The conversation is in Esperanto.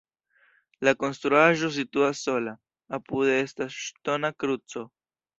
La konstruaĵo situas sola, apude estas ŝtona kruco.